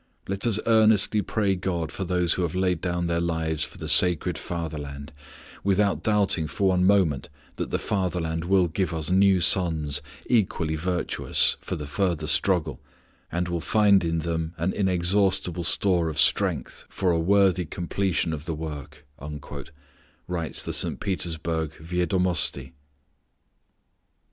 "Let us earnestly pray God for those who have laid down their lives for the sacred Fatherland, without doubting for one moment that the Fatherland will give us new sons, equally virtuous, for the further struggle, and will find in them an inexhaustible store of strength for a worthy completion of the work," writes the St. Petersburg Viedomosti.